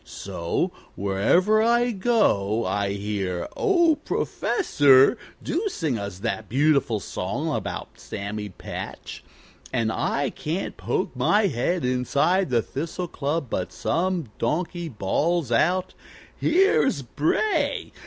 So wherever I go I hear, 'Oh, Professor, do sing us that beautiful song about Sammy Patch.' And I can't poke my head inside the Thistle Club but some donkey bawls out, 'Here's Bray!